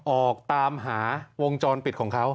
ออกตามหาวงจรปิดของเขา